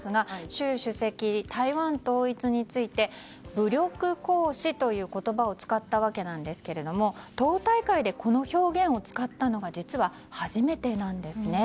習主席、台湾統一について武力行使という言葉を使ったわけなんですけど党大会でこの表現を使ったのが実は初めてなんですね。